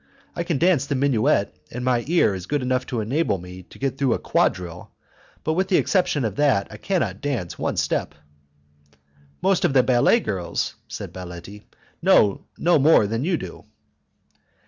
I can dance the minuet, and my ear is good enough to enable me to go through a quadrille; but with the exception of that I cannot dance one step." "Most of the ballet girls," said Baletti, "know no more than you do."